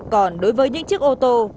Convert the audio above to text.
còn đối với những chiếc ô tô